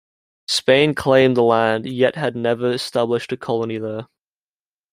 Spain claimed the land yet had never established a colony there.